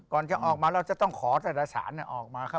ก่อนจะออกมาเราจะต้องขอแต่ละสารออกมาครับ